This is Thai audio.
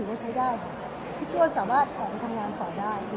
มาใช้ได้พี่เต้ยสามารถออกทำงานขอได้